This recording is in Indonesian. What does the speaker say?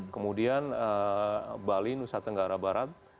kemudian bali nusa tenggara barat